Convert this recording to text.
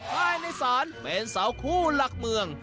ภายในศาลเป็นเสาคู่หลักเมือง